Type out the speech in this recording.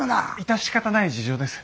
致し方ない事情です。